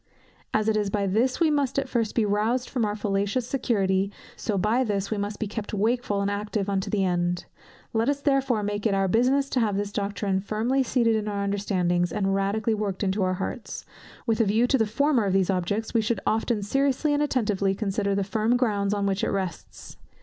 As it is by this we must at first be rouzed from our fallacious security, so by this we must be kept wakeful and active unto the end. Let us therefore make it our business to have this doctrine firmly seated in our understandings, and radically worked into our hearts. With a view to the former of these objects, we should often seriously and attentively consider the firm grounds on which it rests.